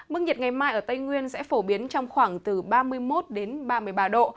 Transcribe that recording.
mức nhiệt ngày mai ở tây nguyên sẽ phổ biến trong khoảng từ ba mươi một đến ba mươi ba độ